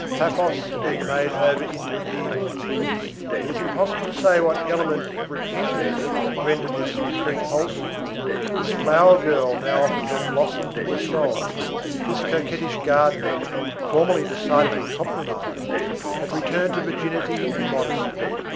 Paphos had been made over into Eden. It is impossible to say what element of repentance had rendered this retreat wholesome. This flower girl now offered her blossom to the soul. This coquettish garden, formerly decidedly compromised, had returned to virginity and modesty.